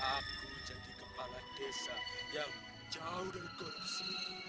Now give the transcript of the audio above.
aku jadi kepala desa yang jauh dari korupsi